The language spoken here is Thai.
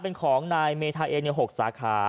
เป็นของนายเมธาเอง๖สาขา